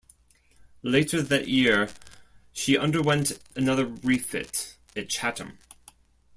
Later that year, she underwent another refit at Chatham.